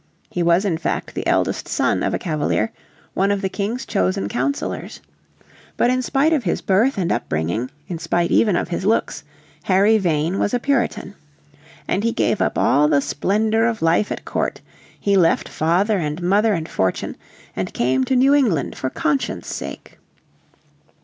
He was in fact the eldest son of a Cavalier, one of the King's chosen councilors. But in spite of his birth and upbringing, in spite even of his looks, Harry Vane was a Puritan. And he gave up all the splendour of life at court, he left father and mother and fortune, and came to New England for conscience' sake.